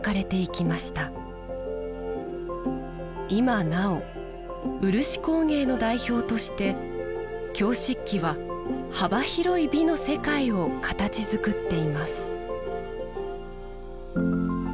今なお漆工芸の代表として京漆器は幅広い美の世界を形づくっています